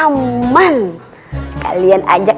aduh masih mulut saya balik